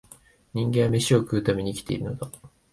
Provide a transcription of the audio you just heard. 人間は、めしを食うために生きているのだ